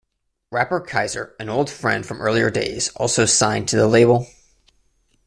Rapper Keizer, an old friend from earlier days also signed to the label.